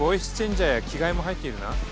ジャーや着替えも入っているな。